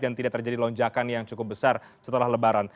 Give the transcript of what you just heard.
dan tidak terjadi lonjakan yang cukup besar setelah lebaran